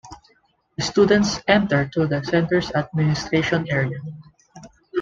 Students enter through the center's administration area.